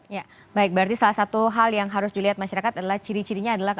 ya baik berarti salah satu hal yang harus dilihat masyarakat adalah ciri cirinya adalah